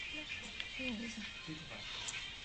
ووځه.